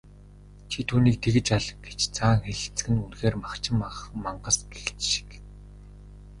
"Чи түүнийг тэгж ал" гэж заан хэлэлцэх нь үнэхээр махчин мангас гэгч шиг.